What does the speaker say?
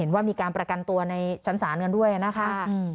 ว่ามีการประกันตัวในชั้นศาลกันด้วยนะคะ